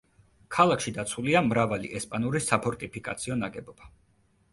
ქალაქში დაცულია მრავალი ესპანური საფორტიფიკაციო ნაგებობა.